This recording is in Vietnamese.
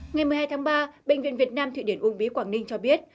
ngày một mươi hai tháng ba bệnh viện việt nam thụy điển uông bí quảng ninh cho biết